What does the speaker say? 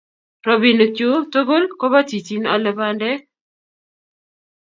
robinik chu tuguk koba chichin alee bandek